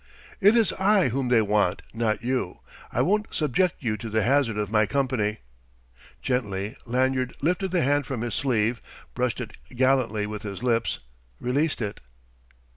"It is I whom they want, not you. I won't subject you to the hazard of my company." Gently Lanyard lifted the hand from his sleeve, brushed it gallantly with his lips, released it.